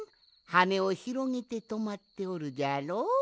はねをひろげてとまっておるじゃろう。